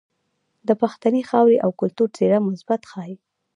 د پښتنې خاورې او کلتور څهره مثبت ښائي.